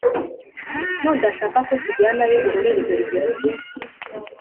nudashaka ko tujyanayo urorere Dore igihugu